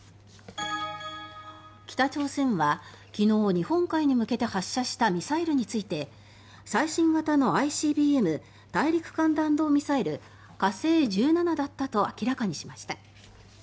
北朝鮮は昨日、日本海に向けて発射したミサイルについて最新型のＩＣＢＭ・大陸間弾道ミサイル火星１７だったと明らかにしました。